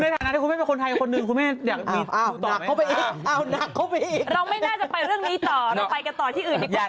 เทียวกลับมาช่วงหน้า